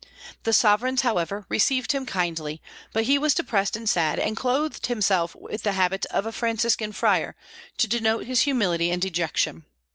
The sovereigns, however, received him kindly; but he was depressed and sad, and clothed himself with the habit of a Franciscan friar, to denote his humility and dejection.